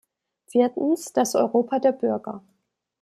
Viertens, das Europa der Bürger.